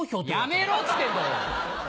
やめろっつってんだよ！